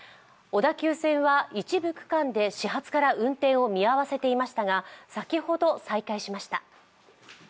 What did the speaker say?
小田急線は一部区間で始発から運転を見合わせていましたが先ほど、再開しました。